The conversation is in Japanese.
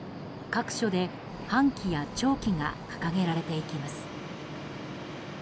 各所で半旗や弔旗が掲げられていきます。